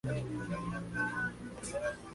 Los demás ingredientes suelen ser cebada y maíz.